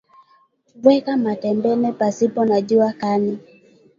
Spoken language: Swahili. weka matembele pasipo na jua kali